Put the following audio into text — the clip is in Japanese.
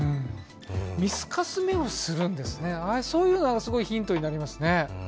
見透かす目をするんですね、そういうのがすごいヒントになりますね。